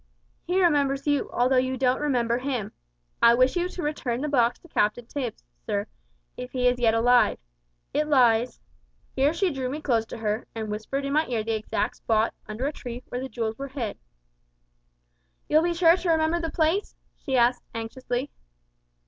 He remembers you, although you don't remember him. I wish you to return the box to Captain Tipps, sir, if he is yet alive. It lies ' here she drew me close to her, and whispered in my ear the exact spot, under a tree, where the jewels were hid. "`You'll be sure to remember the place?' she asked, anxiously.